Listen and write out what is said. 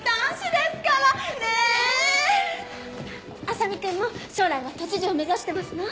麻実君も将来は都知事を目指してますの？